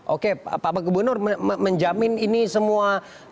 oke pak gubernur menjamin ini semua